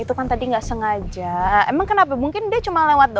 ini kan tadi gak sengaja emang kenapa bisa ada tukang basuh masuk ke jogging tracknya